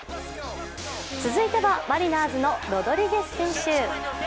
続いてはマリナーズのロドリゲス選手。